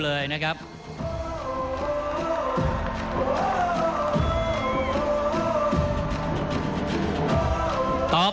ท่านแรกครับจันทรุ่ม